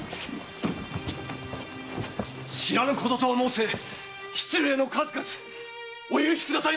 知らぬこととは申せ失礼の数々お許しくださいませ！